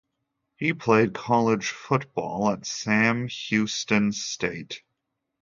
He played college football at Sam Houston State.